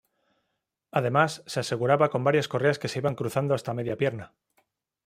Además, se aseguraba con varias correas que se iban cruzando hasta media pierna.